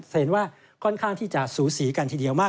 จะเห็นว่าค่อนข้างที่จะสูสีกันทีเดียวมาก